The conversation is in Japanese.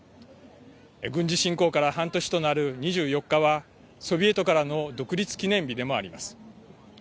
軍事侵攻から半年となる２４日はソビエトからの独立記念日でもあります。